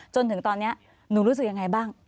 จนถึงตอนนี้หนูรู้สึกยังไงบ้าง